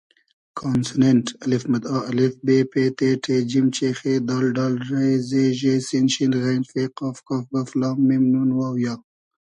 کانسونېنݖ: آ ا ب پ ت ݖ ج چ خ د ۮ ر ز ژ س ش غ ف ق ک گ ل م ن و ی